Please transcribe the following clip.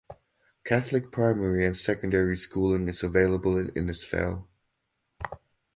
Catholic primary and secondary schooling is available in Innisfail.